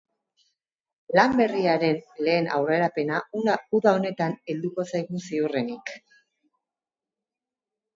Lan berriaren lehen aurrerapena uda honetan helduko zaigu ziurrenik.